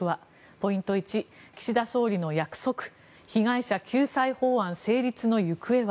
ポイント１、岸田総理の約束被害者救済法案成立の行方は。